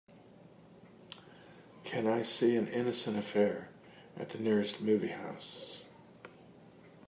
Can I see An Innocent Affair at the nearest movie house.